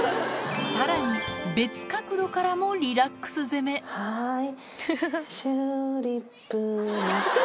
さらに別角度からもリラックス攻めはい。